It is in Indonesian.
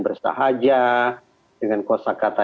bersahaja dengan kosa kata